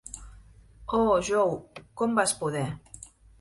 Oh Jo, com vas poder?